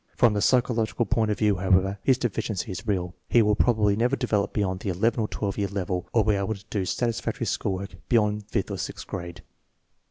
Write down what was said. From the psychological point of view, how ever, his deficiency is real. He will probably never develop beyond the 11 or 13 year level or be able to do satisfactory school work beyond the fifth or sixth grade.